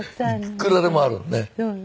いくらでもあるのね。